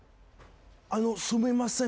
あのすみません